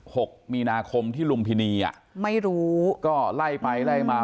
หกมีนาคมที่ลุมพินีอ่ะไม่รู้ก็ไล่ไปไล่มา